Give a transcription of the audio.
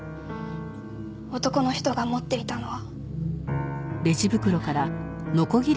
男の人が持っていたのは。